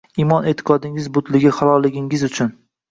– Imon-e’tiqodingiz butligi, halolligingiz uchun.